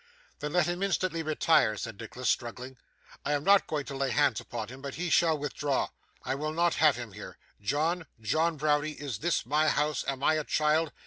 'Then let him instantly retire,' said Nicholas, struggling. 'I am not going to lay hands upon him, but he shall withdraw. I will not have him here. John, John Browdie, is this my house, am I a child?